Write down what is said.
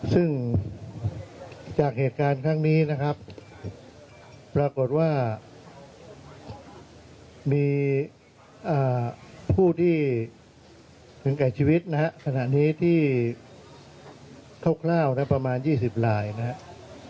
ซึ่งจากเหตุการณ์ครั้งนี้นะครับปรากฏว่ามีผู้ที่ถึงแก่ชีวิตนะฮะขณะนี้ที่คร่าวนะประมาณ๒๐ลายนะครับ